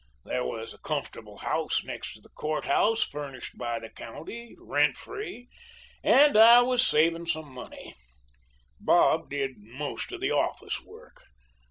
There was a comfortable house next to the courthouse, furnished by the county, rent free, and I was saving some money. Bob did most of the office work.